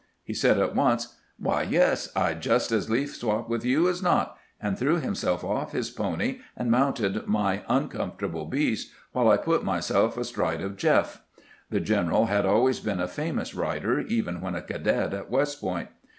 He said at once, "Why, yes; I 'd just as lief swap with you as not "; and threw himself off his pony and mounted my uncomfortable beast, while I put myself astride of " Jeff." The general had always been a famous rider, even when a cadet at West Point.